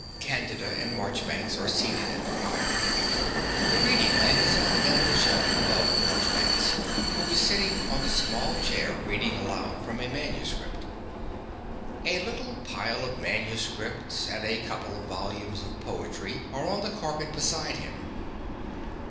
Candida and Marchbanks are seated at the fire. The reading lamp is on the mantelshelf above Marchbanks, who is sitting on the small chair reading aloud from a manuscript. A little pile of manuscripts and a couple of volumes of poetry are on the carpet beside him.